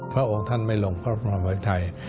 พระองค์ท่านไม่ลงพระบรมมหาชัย